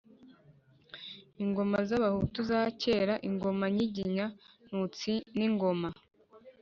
ingoma z'abahutu za kera, ingoma nyiginya-ntutsi n'ingoma